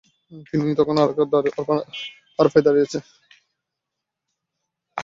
তিনি তখন আরাফায় দাঁড়িয়ে আছেন।